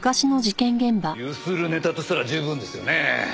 ゆするネタとしたら十分ですよね。